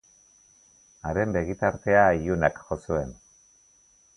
Haren begitartea ilunak jo zuen.